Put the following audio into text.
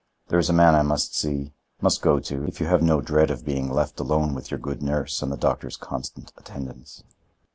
There is a man I must see—must go to, if you have no dread of being left alone with your good nurse and the doctor's constant attendance."